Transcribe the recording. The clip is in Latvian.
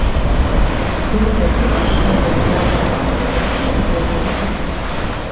Līdz ar to šodienas darba kārtība ir grozīta.